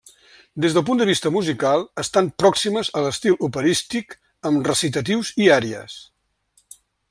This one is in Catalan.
Des del punt de vista musical, estan pròximes a l'estil operístic, amb recitatius i àries.